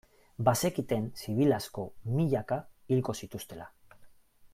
Bazekiten zibil asko, milaka, hilko zituztela.